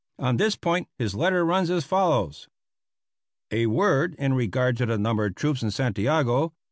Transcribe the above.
On this point his letter runs as follows: A word in regard to the number of troops in Santiago.